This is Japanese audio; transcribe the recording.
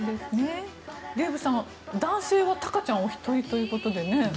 デーブさん、男性はたかちゃんお一人ということでね。